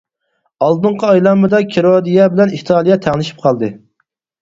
ئالدىنقى ئايلانمىدا كىرودىيە بىلەن ئىتالىيە تەڭلىشىپ قالدى.